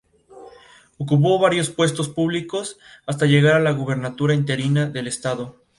Ocupó varios puestos públicos, hasta llegar a la gubernatura interina del estado.